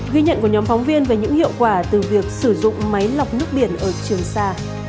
ghi nhận của nhóm phóng viên về những hiệu quả từ việc sử dụng máy lọc nước biển ở trường sa